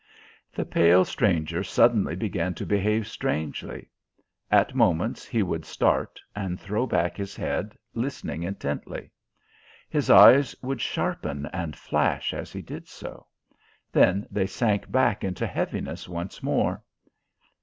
The pale stranger suddenly began to behave strangely. At moments he would start and throw back his head, listening intently. His eyes would sharpen and flash as he did so; then they sank back into heaviness once more.